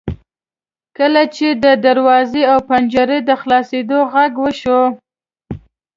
کله چې د دروازو او پنجرو د خلاصیدو غږ وشو.